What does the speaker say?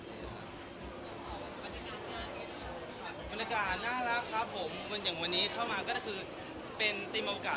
ชีวิตงักมีการของเราน่ารักครับผมมันอย่างวันนี้เข้ามาก็คือเป็นตีมโอกาส